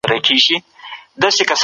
کاردستي د ماشومانو اجتماعي اړیکې پراخوي.